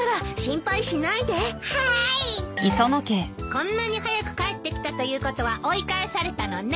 こんなに早く帰ってきたということは追い返されたのね。